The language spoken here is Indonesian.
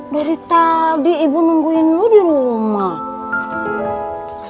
dari tadi ibu nungguin lu di rumah